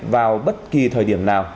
vào bất kỳ thời điểm nào